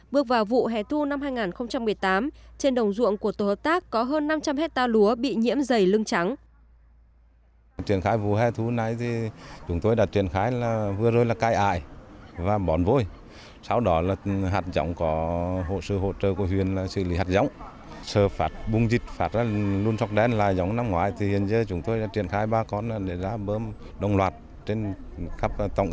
bước vào vụ hẻ thu năm hai nghìn một mươi tám trên đồng ruộng của tổ hợp tác có hơn năm trăm linh hectare lúa bị nhiễm dày lưng trắng